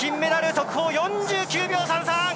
速報４９秒３３！